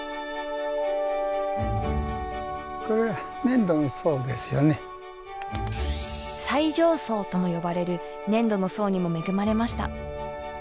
これ西条層とも呼ばれる粘土の層にも恵まれました。